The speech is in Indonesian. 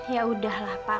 ya udahlah pak